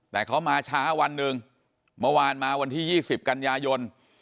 แต่เขามาช้าวันหนึ่งเมื่อวานมาวันที่๒๐กันยายน